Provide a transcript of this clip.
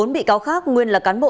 bốn bị cáo khác nguyên là cán bộ